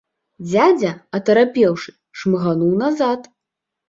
Дзядзя, атарапеўшы, шмыгануў назад.